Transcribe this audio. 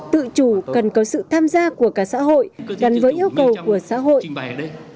tự chủ cần có sự tham gia của cả xã hội gắn với yêu cầu của xã hội